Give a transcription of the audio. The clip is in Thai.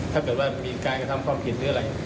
ถ้าเกิดมีการอิสภาพผิดหรืออะไร